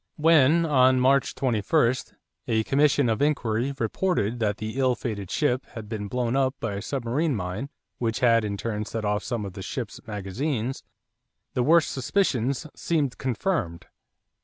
When, on March 21, a commission of inquiry reported that the ill fated ship had been blown up by a submarine mine which had in turn set off some of the ship's magazines, the worst suspicions seemed confirmed.